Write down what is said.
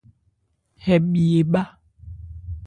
Hɛ bhi ebhá.